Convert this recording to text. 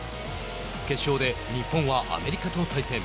決勝で、日本はアメリカと対戦。